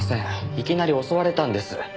いきなり襲われたんです。